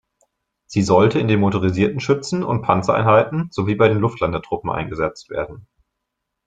Sie sollte in den Motorisierten-Schützen- und Panzereinheiten, sowie bei den Luftlandetruppen eingesetzt werden.